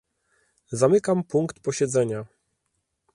Zamykam punkt posiedzenia